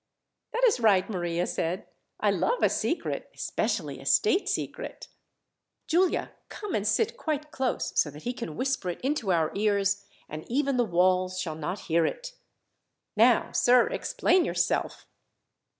"That is right," Maria said. "I love a secret, especially a state secret. "Giulia, come and sit quite close, so that he can whisper it into our ears, and even the walls shall not hear it. "Now, sir, explain yourself!"